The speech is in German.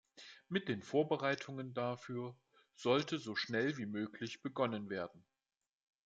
Mit den Vorbereitungen dafür sollte so schnell wie möglich begonnen werden.